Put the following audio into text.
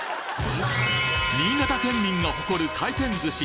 新潟県民が誇る回転寿司